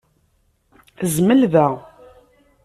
Zmel da.